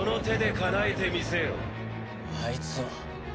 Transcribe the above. あいつは！